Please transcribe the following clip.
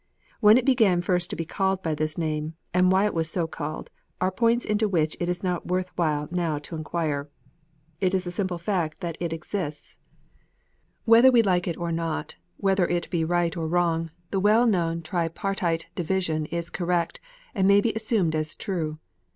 When it began first to be called by this name, and why it was so called, are points into which it is not worth while now to inquire. It is a simple fact that it exists. A 2 KNOTS UNTIED. Whether we like it or not, whether it be right or wrong, the well known tripartite division is correct and may be assumed as true.